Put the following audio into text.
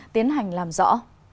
tiến hành làm rõ